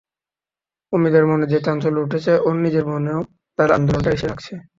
অমিতর মনে যে চাঞ্চল্য উঠেছে ওর নিজের মনেও তার আন্দোলনটা এসে লাগছে।